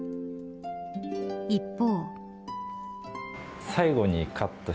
一方。